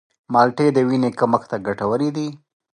مالټې د وینې کمښت ته ګټورې دي.